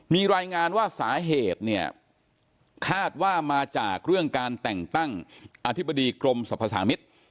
มีรายงานว่าสาเหตุเนี่ยคาดว่ามาจากเรื่องการแต่งตั้งอธิบดีกรมสรรพสามิตร